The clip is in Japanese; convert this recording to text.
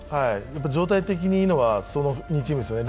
状態的にいいのはその２チームですね。